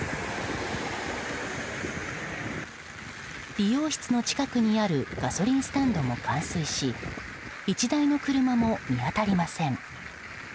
理容室の近くにあるガソリンスタンドも冠水し１台の車も見当たりません。